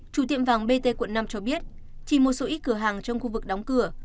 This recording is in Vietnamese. chủ tiệm vàng bt quận năm cho biết chỉ một số ít cửa hàng trong khu vực đóng cửa